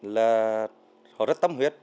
là họ rất tâm huyết